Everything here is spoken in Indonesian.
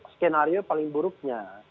skenario paling buruknya